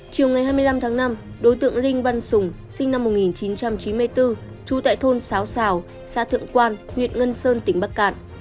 chiều ngày hai mươi năm tháng năm đối tượng linh văn sùng sinh năm một nghìn chín trăm chín mươi bốn trú tại thôn xáo xào xã thượng quan huyện ngân sơn tỉnh bắc cạn